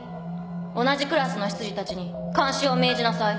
同じクラスの執事たちに監視を命じなさい。